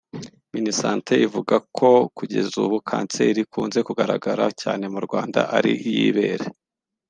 Minisante ivuga ko kugeza ubu kanseri ikunze kugaragara cyane mu Rwanda ari iy’ibere